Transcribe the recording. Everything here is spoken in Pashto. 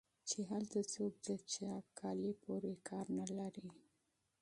چې هلته څوک د چا لباس پورې کار نه لري